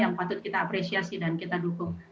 yang patut kita apresiasi dan kita dukung